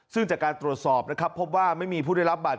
ซึ่งจากการตรวจสอบนะครับพบว่าไม่มีผู้ได้รับบาดเจ็บ